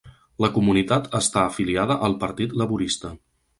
La comunitat està afiliada al Partit Laborista.